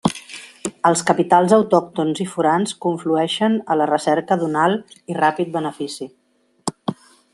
Els capitals autòctons i forans confluïxen a la recerca d'un alt i ràpid benefici.